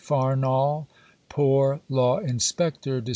FARNELL, Poor Law Inspector (Dec.